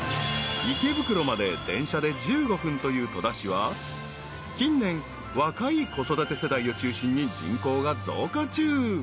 ［池袋まで電車で１５分という戸田市は近年若い子育て世代を中心に人口が増加中］